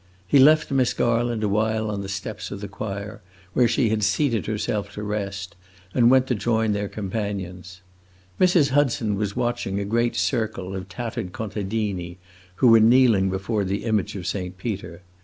He left Miss Garland a while on the steps of the choir, where she had seated herself to rest, and went to join their companions. Mrs. Hudson was watching a great circle of tattered contadini, who were kneeling before the image of Saint Peter.